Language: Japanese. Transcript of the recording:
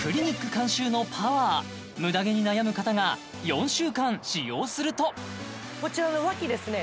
監修のパワームダ毛に悩む方が４週間使用するとこちらのワキですね